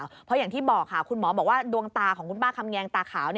เพราะอย่างที่บอกค่ะคุณหมอบอกว่าดวงตาของคุณป้าคำแงงตาขาว